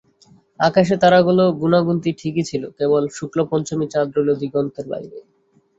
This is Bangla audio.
আকাশে তারাগুলো গোনাগুনতি ঠিকই ছিল, কেবল শুক্লপঞ্চমী চাঁদ রইল দিগন্তের বাইরে।